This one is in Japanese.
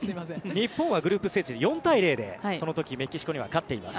日本はグループステージで４体０でその時メキシコには勝っています。